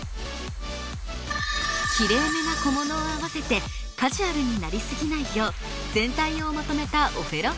きれいめな小物を合わせてカジュアルになりすぎないよう全体をまとめたおフェロコーデ。